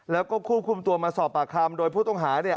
แล้วก็ควบคุมตัวมาสอบปากคำโดยผู้ต้องหา